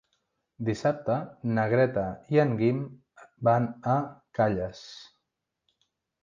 Dissabte na Greta i en Guim van a Calles.